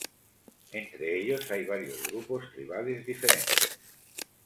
Entre ellos hay varios grupos tribales diferentes.